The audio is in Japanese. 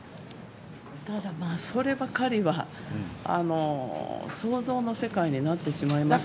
ただ、そればかりは想像の世界になってしまいますよね。